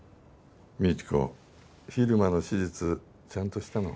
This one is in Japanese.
未知子蛭間の手術ちゃんとしたの。